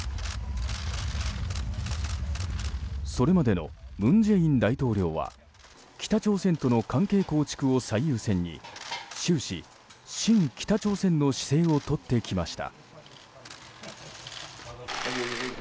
それまでの文在寅大統領は北朝鮮との関係構築を最優先に終始親北朝鮮の姿勢をとってきました。